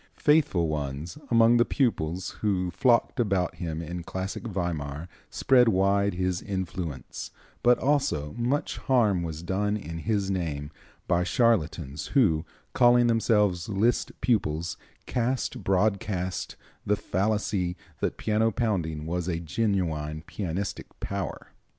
Faithful ones among the pupils who flocked about him in classic Weimar spread wide his influence, but also much harm was done in his name by charlatans who, calling themselves Liszt pupils, cast broadcast the fallacy that piano pounding was genuine pianistic power.